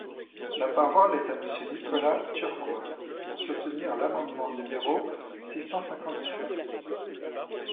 La parole est à Monsieur Nicolas Turquois, pour soutenir l’amendement numéro six cent cinquante-quatre.